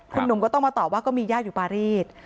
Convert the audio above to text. คุณหนุ่มก็ต้องมาตอบว่าก็มีญาติอยู่ปารีส